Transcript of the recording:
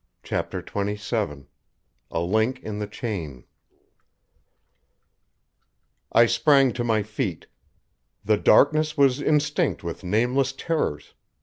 CHAPTER XXVII A LINK IN THE CHAIN I sprang to my feet. The darkness was instinct with nameless terrors.